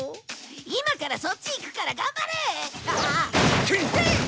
今からそっちに行くから頑張れっ！